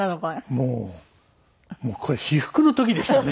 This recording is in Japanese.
もうこれ至福の時でしたね。